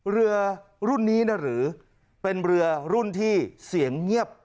เรือรุ่นนี้นะหรือเป็นเรือรุ่นที่เสียงเงียบ